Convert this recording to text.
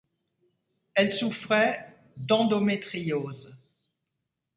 Elle souffrait d'endométriose.